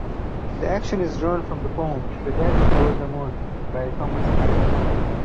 The action is drawn from the poem "The Death of Rosamond" by Thomas May.